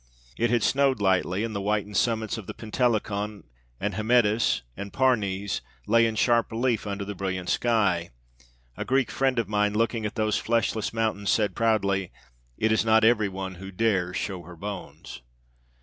It had snowed lightly and the whitened summits of Pentelicon and Hymettus and Parnes lay in sharp relief under the brilliant sky. A Greek friend of mine, looking at these fleshless mountains, said proudly, 'It is not every one who dares show her bones.'